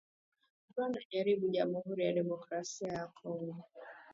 Rwanda yajibu Jamuhuri ya Demokrasia ya Kongo